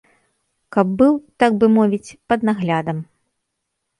Каб быў, так бы мовіць, пад наглядам.